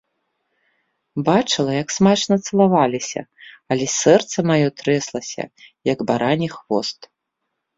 Бачыла, як смачна цалаваліся, але сэрца маё трэслася, як барані хвост.